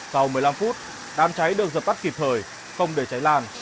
sau một mươi năm phút đám cháy được dập tắt kịp thời không để cháy lan